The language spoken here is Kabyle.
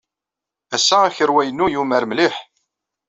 Ass-a, akerwa-inu yumar mliḥ.